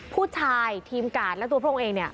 ผู้ชายทีมการ์ดและตัวพวกพวกเอง